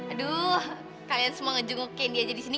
aduh kalian semua ngejenguk candy aja di sini